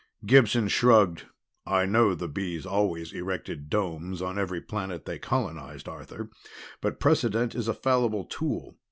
Gibson shrugged. "I know the Bees always erected domes on every planet they colonized, Arthur, but precedent is a fallible tool.